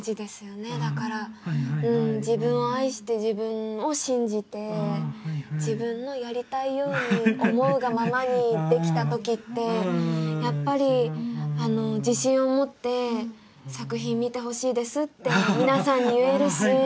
自分を愛して自分を信じて自分のやりたいように思うがままにできたときってやっぱり自信を持って作品見てほしいですって皆さんに言えるし。